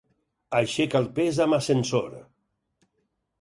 Aixeca el pes amb ascensor.